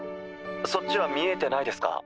そっちは見えてないですか？